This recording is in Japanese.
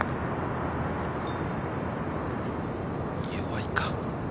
弱いか。